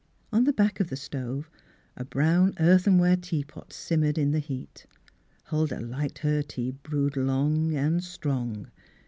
On the back of the stove a brown earthenware tea pot simmered in the heat. Huldah liked her tea brewed long and strong.